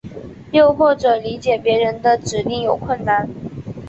又或者理解别人的指令有困难。